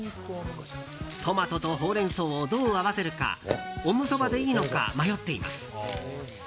トマトとほうれん草をどう合わせるかオムそばでいいのか迷っています。